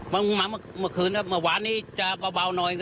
มันมาเมื่อคืนครับหวานนี้จะเบาหน่อย